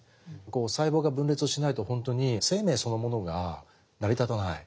細胞が分裂をしないと本当に生命そのものが成り立たない。